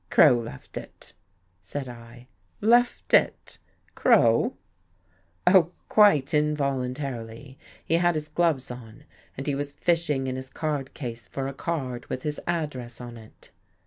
" Crow left it," said I. "Left it! Crow?" " Oh, quite involuntarily. He had his gloves on and he was fishing in his card case for a card with his address on it."